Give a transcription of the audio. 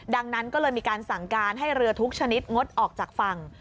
ดังนั้นก็เลยมีการสั่งการให้เรือทุกชนิดงดออกจากฝั่ง